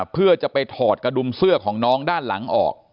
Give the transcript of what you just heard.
เพื่อจะไปถอดกระดุมเสื้อของน้องด้านหลังออก